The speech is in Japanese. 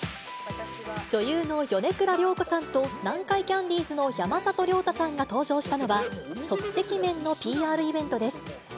女優の米倉涼子さんと南海キャンディーズの山里亮太さんが登場したのは、即席麺のＰＲイベントです。